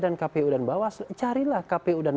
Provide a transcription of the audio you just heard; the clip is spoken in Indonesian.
kpu dan bawaslu carilah kpu dan